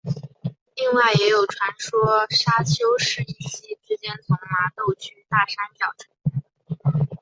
另外也有传说砂丘是一夕之间从麻豆区大山脚吹来的。